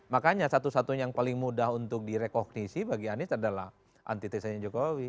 makanya satu satunya yang paling mudah untuk direkognisi bagi anies adalah antitesanya jokowi